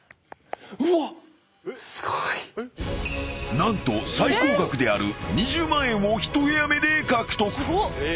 ［何と最高額である２０万円を１部屋目で獲得］